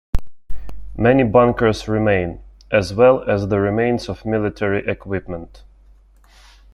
Many bunkers remain, as well as the remains of military equipment.